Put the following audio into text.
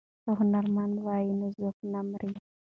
که هنرمند وي نو ذوق نه مري.